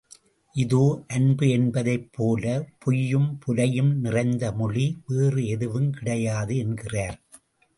இதோ அன்பு என்பதைப் போல, பொய்யும் புலையும் நிறைந்த மொழி, வேறு எதுவும் கிடையாது என்கிறார்.